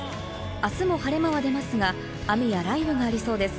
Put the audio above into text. あすも晴れ間は出ますが、雨や雷雨がありそうです。